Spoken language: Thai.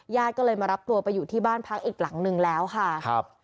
ญาติก็เลยมารับตัวไปอยู่ที่บ้านพักอีกหลังนึงแล้วค่ะครับ